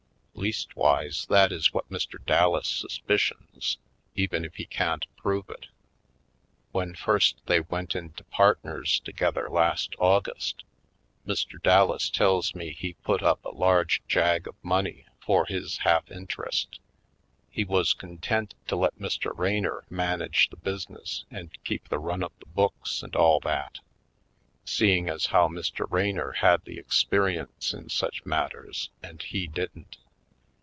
Leastwise, that is what Mr. Dallas sus picions, even if he can't prove it. When first they went into partners together last August, Mr. Dallas tells me he put up a large jag of money for his half interest. He was content to let Mr. Raynor manage the business and keep the run of the books and all that, seeing as how Mr. Raynor had the experience in such matters and he didn't.